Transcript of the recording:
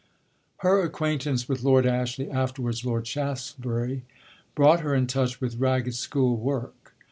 Her acquaintance with Lord Ashley (afterwards Lord Shaftesbury) brought her in touch with Ragged School work.